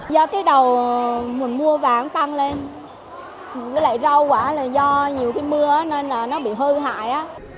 do cái đầu mua vàng tăng lên với lại rau quả là do nhiều cái mưa nên là nó bị hư hại